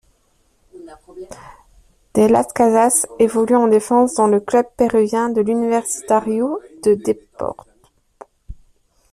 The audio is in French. De Las Casas évolue en défense dans le club péruvien de l'Universitario de Deportes.